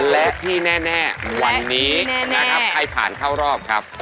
และที่แน่วันนี้นะครับใครผ่านเข้ารอบครับ